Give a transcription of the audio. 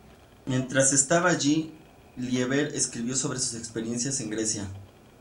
Mientras estaba allí, Lieber escribió sobre sus experiencias en Grecia.